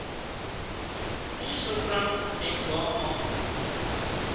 اِي سوڪرا نُون ايڪ ڳام مان